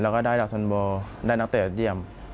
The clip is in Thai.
แล้วก็ได้ดักศัลโบได้นักเตรียม